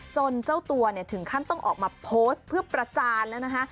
เจ้าตัวถึงขั้นต้องออกมาโพสต์เพื่อประจานแล้วนะคะ